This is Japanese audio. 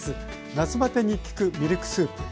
夏バテに効くミルクスープ。